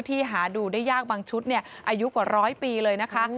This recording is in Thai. หาดูได้ยากบางชุดอายุกว่าร้อยปีเลยนะคะ